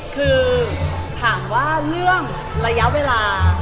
คือถามว่าเรื่องระยะเวลา